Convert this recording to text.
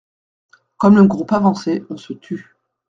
Comme le groupe avançait, on se tut.